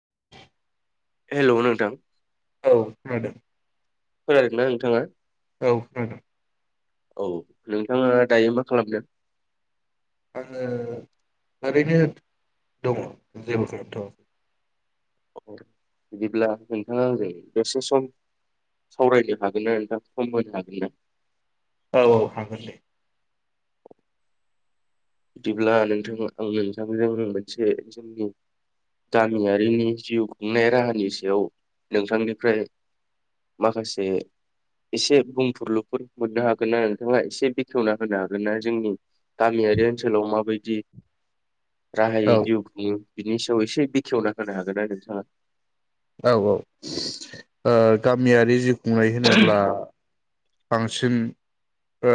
[inaudible] हेल' नोंथां। औ खोनादों। खोनादोंना नोंथाङा? औ खोनादों औ नोंथांङा दायो मा खालामदों? आंङो थारैनो दङ जेबो खालामथआखै। आ बिदिब्ला नोंथांङा आंजों दसे सम सावरायनो हागोन ना नोंथांङा सम होनो हागोन ना? औ औ हागोन दे। बिदिब्ला नोंथांङा आं नोंथांजों मोनसे जोंनि गामियारिनि जिउ खुंनाय राहानि सायाव नोंथांनिफ्राय माखासे एसे बुंफोरलुफोर मोननो हागोन ना नोंथाङा एसे बेखेवना होनो हागोन ना जोंनि गामियारि ओनसोलाव माबायदि राहायै औ जिउ खुङो बिनि सायाव एसे बेखेवना होनो हागोन ना नोंथांङा? औ औ गामियारि जि बुंनाय होनोब्ला बांसिन ओ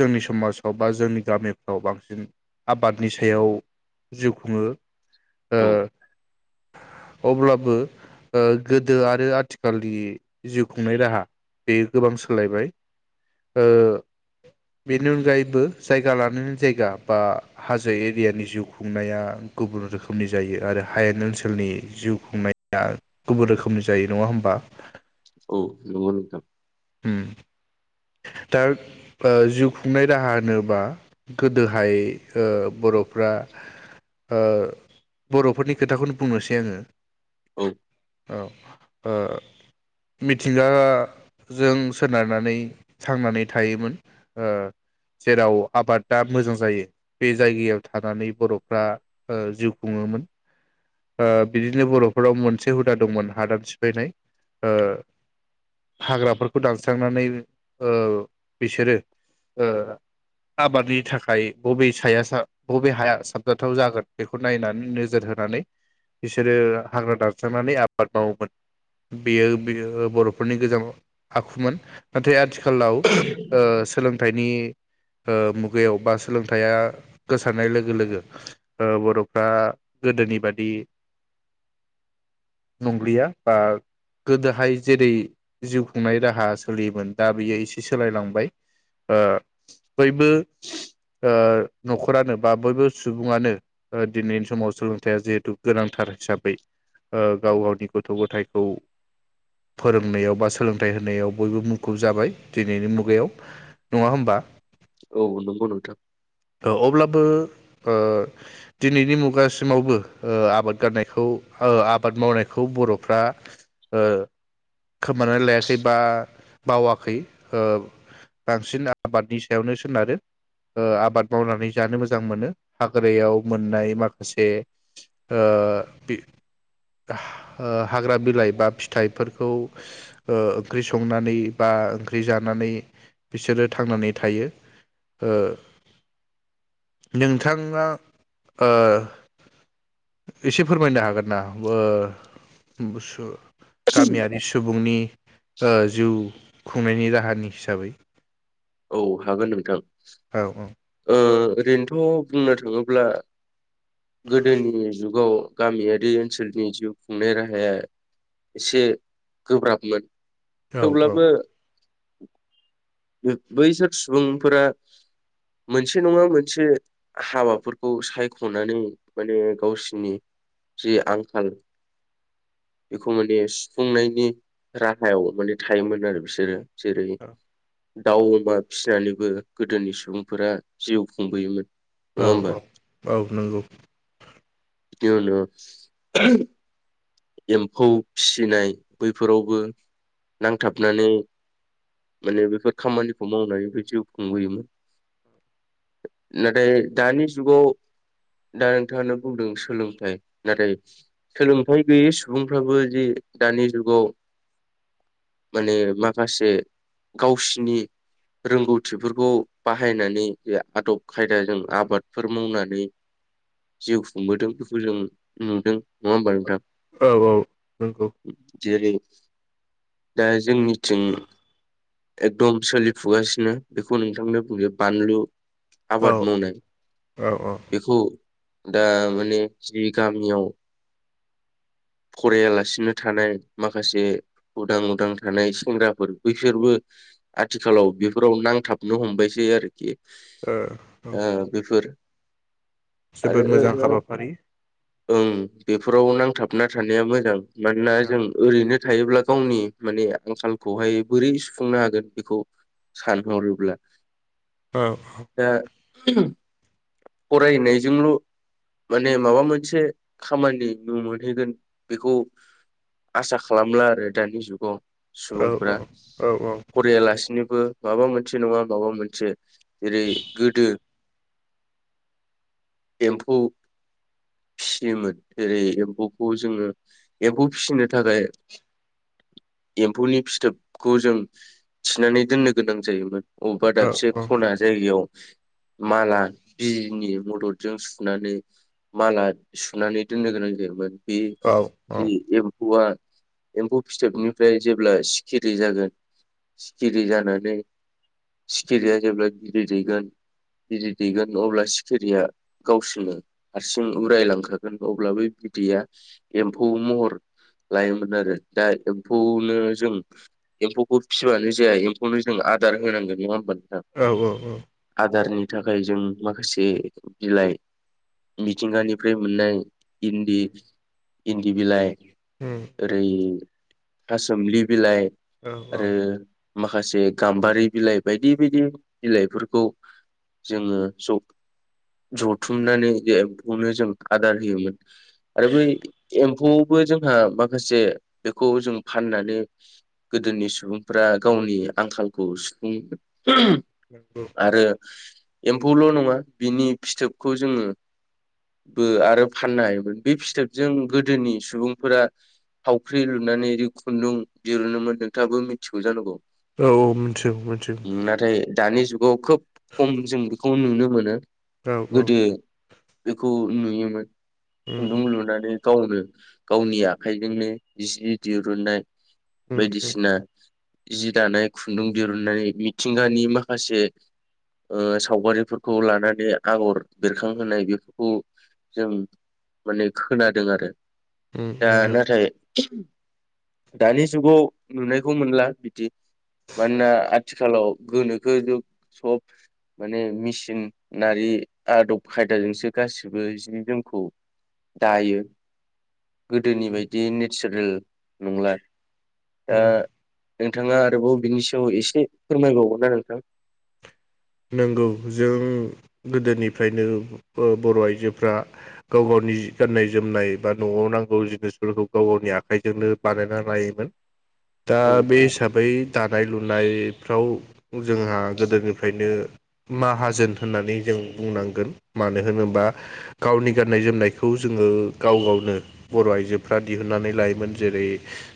जोंनि समाजाव बा जोंनि गामिफ्राव बांसिन आबादनि सायाव जिउ खुङो। ओ औ अब्लाबो ओ गोदो आरो आथिखालनि जिउ खुंनाय राहा बे गोबां सोलायबाय ओ बेनि अनगायैबो जायगा लानानै जायगा बा हाजो एरियानि जिउ खुंनाया गुबुन रोखोमनि जायो आरो हायेन ओनसोलनि जिउ खुंनाया गुबुन रोखोमनि जायो नङा होमबा? औ नंगौ नोंथां। उम्म दा ओ जिउ खुंनाय राहा होनोबा गोदोहाय ओ बर'फ्रा ओ बर'फोरनि खोथाखौनो बुंनोसै आंङो। औ औ ओ मिथिंगा जों सोनारनानै थांनानै थायोमोन ओ जेराव आबादा मोजां जायो बे जायगायाव थानानै बर'फ्रा ओ जिउ खुंङोमोन ओ बिदिनो बर'फोराव मोनसे हुदा दंमोन हादान सिफायनाय ओ हाग्राफोरखौ दानस्रांनानै ओ बिसोरो ओ आबादनि थाखाय बबे साया सा‌ बबे हाया साबजाथाव जागोन बेखौ नायनानै नोजोर होनानै बिसोरो हाग्रा दानस्रांनानै आबाद मावोमोन बेयो बे बर'फोरनि गोजाम आखुमोन नाथाय आथिखाल खालाव ओ सोलों सोलोंथाइनि ओ मुगायाव बा सोलोंथाइया गोसारनाय लोगो लोगो ओ बर'फ्रा गोदोनि बादि नंलिया बा गोदोहाय जेरै जिउ खुंनाय राहा सोलियोमोन दा बियो एसे सोलायलांबाय ओ बयबो ओ न'खरानो बा बयबो सुबुङानो ओ दिनैनि समाव सोलोंथाइया जिहेथु गोनांथार हिसाबै ओ गाव गावनि गथ' गथायखौ फोरोंनायाव बा सोलोंथाइ होनायाव बयबो मुं खुब जाबाय दिनैनि मुगायाव नङा होमबा? औ नंगौ नोंथां। अब्लाबो ओ दिनैनि मुगासिमावबो ओ आबाद गारनायखौ ओ आबाद मावनायखौ बर'फ्रा ओ खोमानानै लायाखै बा बावाखै ओ बांसिन आबादनि सायावनो सोनारो ओ आबाद मावनानै जानो मोजां मोनो हाग्रायाव मोननाय माखासे ओ बि ओ हाग्रा बिलाइ बा फिथाइफोरखौ ओ ओंख्रि संनानै बा ओंख्रि जानानै बिसोरो थांनानै थायो ओ नोंथांङा ओ एसे फोरमायनो हागोन ना ओ [unintelligible] गामियारि सुबुंनि ओ जिउ खुंनायनि राहानि हिसाबै औ हागोन नोंथां औ औ ओ ओरैनोथ बुंनो थाङोब्ला गोदोनि जुगाव गामियारि ओनसोलनि जिउ खुंनाय राहाया एसे गोब्राबमोन औ औ थेवब्लाबो बैसोर सुबुंफोरा मोनसे नङा मोनसे हाबाफोरखौ सायखनानै माने गावसोनि जि आंखाल बेखौ माने सुफुंनायनि राहायाव माने थायोमोन आरो बिसोरो जेरै औ दाउ अमा फिसिनानैबो गोदोनि सुबुंफोरा जिउ खुंबोयोमोन नङा होमबा औ-औ औ नंगौ दोनो एम्फौ फिसिनाय बैफोरावबो नांथाबनानै माने बेफोर खामानिखौ मावनानैबो जिउ खुंबोयोमोन नाथाय दानि जुगाव दा नोंथाङानो बुंदों सोलोंथाइ नाथाय सोलोंथाइ गैयै सुबुंफ्राबो जि दानि जुगाव माने माखासे गावसिनि रोंगौथिफोरखौ बाहायनानै जे आदब खायदाजों आबादफोर मावनानै जिउ खुंबोदों बेखौ जों नुदों नङा होमबा नोंथां औ औ नंगौ जेरै दा जोंनि थिं एकदम सोलिफुगासिनो बेखौ नोंथां मा होनना बुङो बानलु औ आबाद मावनाय औ औ ओ बेखौ दा माने जि गामियाव फरायालासिनो थानाय माखासे उदां उदां थानाय सेंग्राफोर बैसोरबो आथिखालाव बेफोराव नांथाबनो हमबायसै आरोखि ओ औ ओ बेफोर आरो जोबोद मोजां हाबाफारि ओं बेफोराव नांथाब ना थानाया मोजां मानोना औ जों ओरैनो थायोब्ला गावनि माने आंखालखौहाय बोरै सुफुंनो हागोन बेखौ सानहरोब्ला औ दा फरायनायजोंल माने माबा मोनसे खामानि नुनो मोन्नो होगोन बेखौ आसा खालामला आरो दानि जुगाव औ सुबुंफोरा औ औ फराययालासिनो बो माबा मोनसे नङा माबा मोनसे जेरै गोदो एम्फौ फियोमोन जेरै एम्फौ खौ जोङो एम्फौ फिनो थाखाय एम्फौनि फिथोबखौ जों थिनानै दोननो गोनां जायोमोन अबेबा दाबसे खना जायगायाव माला बिजनि मददजों सुनानै माला सुनानै दोननो गोनां जायोमोन [unintelligible] एम्फौआ एम्फौ फिथोबनिफ्राय जेब्ला सिखिरि जागोन सिखिरि जानानै सिखिरिया जेब्ला बिदै दैगोन बिदै दैगोन अब्ला सिखिरिया गावसोरनो हारसिं उरायलांखागोन अब्ला बिदैया एम्फौ महर लायोमोन आरो दा एम्फौनो जों एम्फौखौ फिसिबानो जाया एम्फौनो जों आदार होनांगोन नङा होमबा? औ आदारनि थाखाय जों माखासे बिलाइ मिथिंगानिफ्राय मोननाय इन्दि इन्दि बिलाइ औ उम औ ओरै थासोमलि बिलाइ औ औ आरो माखासे गाम्बारि बिलाइ बायदि बायदि बिलाइफोरखौ जोङो जथुमनानै एम्खौनो जों आदार होयोमोन आरो बै एम्फौआवबो जोंहा माखासे बेखौ जों फाननानै गोदोनि सुबुंफ्रा गावनि आंखालखौ सुफुं नंगौ [inaudible] आरो एम्फौल नङा बिनि फिथोबखौ जोङो बो आरो फाननो हायोमोन बे फिथोब जों गोदोनि सुबुंफोरा थावख्रि लुनानै खुन्दुं दिरुनोमोन नोंथाङाबो मिथिगौ जानांगौ औ औ मिथियो मिथियो नाथाय दानि जुगाव खोब खम जों बेखौ नुनो मोनो। औ औ गोदो बेखौ नुयोमोन उम खुन्दुं लुनानै गावनो गावनि आखाइजोंनो जि दिरुननाय उम उम बायदिसिना जि दानाय खुन्दुं दिरुननानै मिथिंगानि माखासे सावगारिफोरखौ लानानै आगर बेरखांहोनाय बेफोरखौ जों माने खोनादों आरो उम दा नंगौ नाथाय दानि जुगाव नुनायखौ मोनला बिदि मानोना आथिखालाव गोनोखो ज सब माने मेसिन नारि आदब खायदाजोंसो गाससिबो जोंखौ दायो गोदोनि बायदि नेचार ओ नंला उम दा नोंथाङा आरोबाव बिनि सायाव एसे फोरमायबावगोन ना नोंथां? नंगौ जों गोदोनिफ्रायनो बर आइजोफ्रा गाव गावनि गाननाय जोमनाय बा नआव नांगौ जिनिसफोरखौ गाव गावनि आखाइजोंनो बानायना लायोमोन। दा औ बे हिसाबै दानाय लुनायफ्राव जोंहा गोदो गो ओफ्रायनो माहाजोन होननानै जों बुंनांगोन मानो होनोबा गावनि गाननाय जोमनायखौ जोङो गाव गावनो बर आइजोफ्रा दिहुनन्नानै लायोमोन जेरै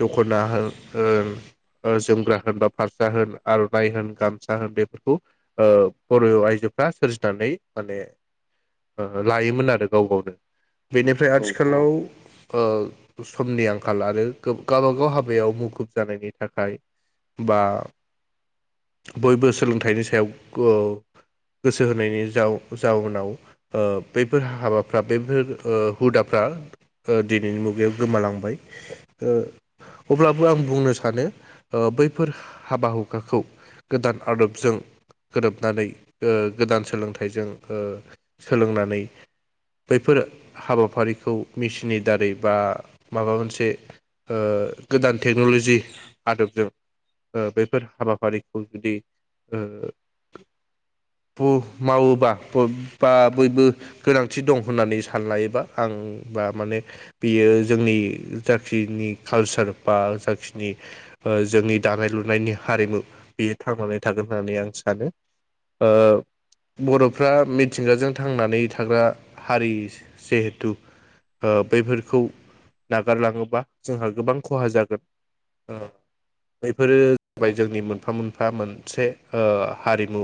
दखना होन होन ओ जोमग्रा होन बा फारसा होन आरनाइ होन गामसा होन बे बर' आइजोफ्रा सोरजिनानै माने लायोमोन आरो गाव गावनो बेनिफ्राय औ आथिखालाव ओ समनि आंखाल आरो गावबा गाव हाबायाव मुखुब जानायनि थाखाय बा बयबो सोलों थाइनि सायाव ओ गोसो होनायनि जा-जाउनाव ओ बेफोर हाबाफ्रा बेफोर हुदाफ्रा दिनैनि मुगायाव गोमालांबाय अब्लाबो आं बुंनो सानो बैफोर हाबा हुखाखौ गोदान आदब जों गोरोबनानै गोदान सोलोंथाइजों सोलोंनानै बैफोर हाबाफारिखौ मेसिननि दारै बा माबा मोनसे गोदान टेक्नलजि आदबजों बैफोर हाबाफारिखौ जुदि ओ मावोबा बा-बयबो गोनांथि दं होननानै सानलायोबा आं बा माने बियो जोंनि जाखिनि कालसार बा जाखिनि जोंनि दानाय लुनायनि हारिमु बेयो थांनानै थागोन होननानै आं सानो बरफ्रा मिथिंगाजों थांनानै थाग्रा हारि जिहेथु बैफोरखौ नागारलाङोबा जोंहा गोबां खहा जागोन बेफोरो जाबाय जोंनि मोनफा मोनफा मोन मोनसे हारिमु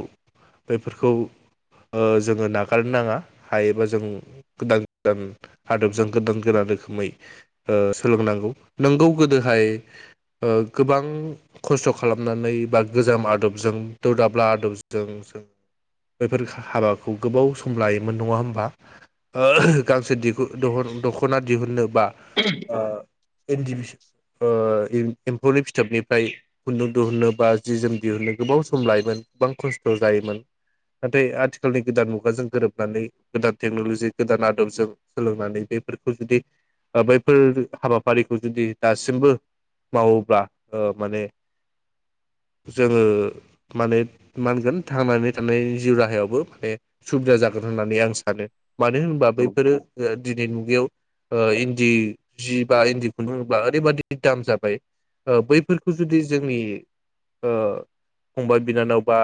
बेफोरखौ जोङो नागारनो नाङा हायोबा जों गोदान गोदान आदबजों गोदान गोदान रोखोमै सोलोंनांगौ नोंगौ गोदोहाय गोबां खस्थ खालामनानै बा गोजाम आदब दौदाब्ला दौजों जों बेफोर हाबाखौ गोबाव सम लायोमोन नङा होमबा ओ गांसे दहन दखना दिहुनो बा ओ ओन्दि ओ एम्फौनि फिथोबनिफ्राय खुन्दुं दिहुनो बा जि जोम दिहुनो गोबाव सम लायोमोन गोबां खस्थ जायोमोन नाथाय आथिखालनि गोदान मुगाजों गोरोबनानै गोदान टेक्नलजि गोदान आदबजों सोलोंनानै बेफोरखौ जुदि बैफोर हाबाफारिखौ जुदि दासिमबो मावोब्ला ओ माने जोङो। माने माहोनगोन थांनानै थानायनि जिउ राहायावबो माने सुबिदा जागोन होननानै आं सानो। मानो होनबा औ बैफोरो दिनैनि मुगा याव ओ इन्दि जि बा इन्दि खुन्दुंब्ला ओरैबादि दाम जाबाय ओ बैफोरखौ जुदि जोंनि ओ फंबाय बिनानाव बा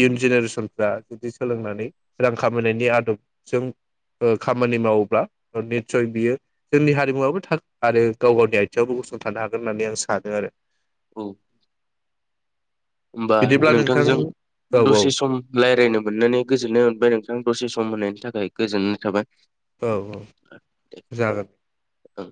इयुन जेनेरेसनफ्रा जुदि सोलोंनानै रां खामायनायनि आदब जों ओ खामानि मावोब्ला निथसय बियो जोंनि हारिमुवाबो थागोन आरो गाव गावनि आथिङावबो गसंथानो हागोन होननानै आं सानो आरो औ होमबा बिदिब्ला नोंथां नोंथांजों औ औ दसे सम रायलायनो मोननानै गोजोननाय मोनबाय नोंथां दसे सम होनायनि थाखाय गोजोननाय थाबाय औ औ जागोन ओं